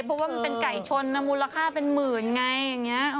เพราะว่ามันเป็นไก่ชนมูลค่าเป็นหมื่นไงอย่างนี้